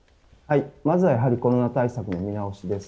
まずは、やはりコロナ対策の見直しです。